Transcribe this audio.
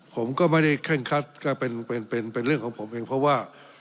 ผมก็ไม่ได้เคร่งคัดก็เป็นเป็นเป็นเป็นเรื่องของผมเองเพราะว่า